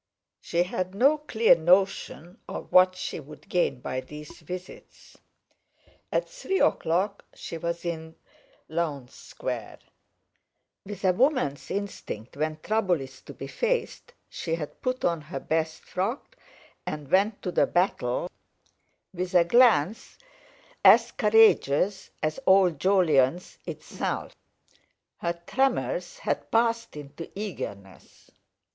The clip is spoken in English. She had no clear notion of what she would gain by these visits. At three o'clock she was in Lowndes Square. With a woman's instinct when trouble is to be faced, she had put on her best frock, and went to the battle with a glance as courageous as old Jolyon's itself. Her tremors had passed into eagerness.